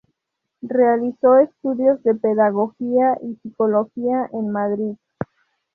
Realizó estudios de pedagogía y psicología en Madrid.